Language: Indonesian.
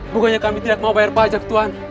bukannya kami tidak mau bayar pajak tuhan